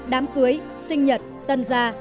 đám cưới sinh nhật tân gia